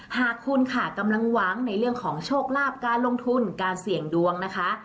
หากคุณค่ะกำลังหวังในเรื่องของโชคลาภการลงทุนการเสี่ยงดวงนะคะ